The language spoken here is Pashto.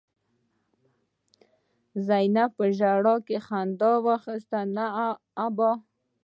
زينبه په ژړا کې خندا واخيسته: نه ابا!